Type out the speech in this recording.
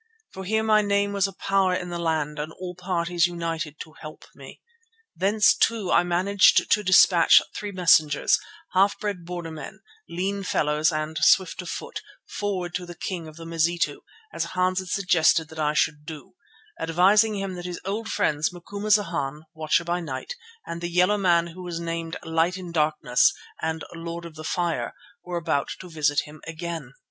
For here my name was a power in the land and all parties united to help me. Thence, too, I managed to dispatch three messengers, half bred border men, lean fellows and swift of foot, forward to the king of the Mazitu, as Hans had suggested that I should do, advising him that his old friends, Macumazana, Watcher by Night, and the yellow man who was named Light in Darkness and Lord of the Fire, were about to visit him again.